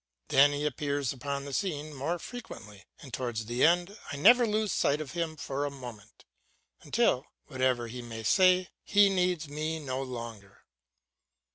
Then he appears upon the scene more frequently, and towards the end I never lose sight of him for a moment, until, whatever he may say, he needs me no longer.